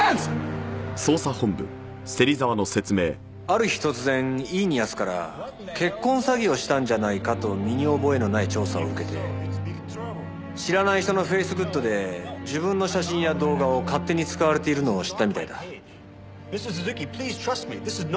ある日突然イーニアスから結婚詐欺をしたんじゃないかと身に覚えのない調査を受けて知らない人のフェイスグッドで自分の写真や動画を勝手に使われているのを知ったみたいだ。